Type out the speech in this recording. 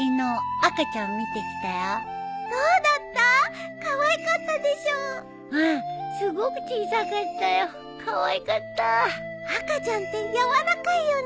赤ちゃんって柔らかいよね。